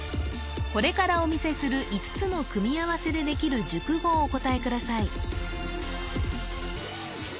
これからお見せする５つの組み合わせでできる熟語をお答えください